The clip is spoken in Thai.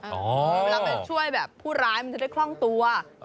เวลาจะช่วยพูดร้ายมันได้คล่องตัวจะดีละ